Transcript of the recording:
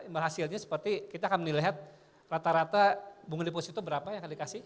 berhasilnya seperti kita akan melihat rata rata bunga deposito berapa yang dikasih